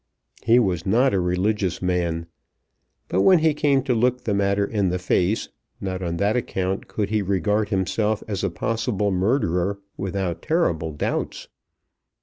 He was not a religious man; but when he came to look the matter in the face, not on that account could he regard himself as a possible murderer without terrible doubts.